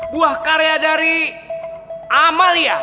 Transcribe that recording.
buah karya dari amalia